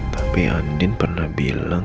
tapi andin pernah bilang